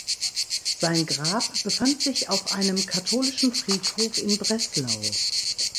Sein Grab befand sich auf einem katholischen Friedhof in Breslau.